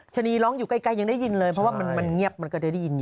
ชะนีร้องอยู่ใกล้ยังได้ยินเลยเพราะว่ามันเงียบมันก็ได้ยินอยู่